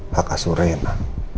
hak asur rina